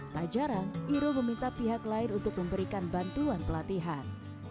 tak jarang iro meminta pihak lain untuk memberikan bantuan pelatihan